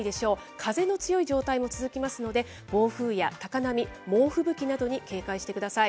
風の強い状態も続きますので、暴風や高波、猛吹雪などに警戒してください。